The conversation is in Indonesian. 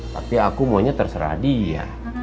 tapi aku maunya terserah dia